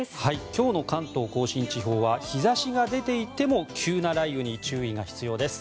今日の関東・甲信地方は日差しが出ていても急な雷雨に注意が必要です。